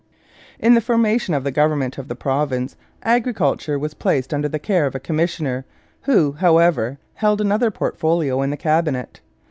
In the formation of the government of the province agriculture was placed under the care of a commissioner, who, however, held another portfolio in the cabinet.